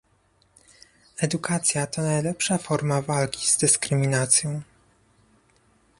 Edukacja to najlepsza forma walki z dyskryminacją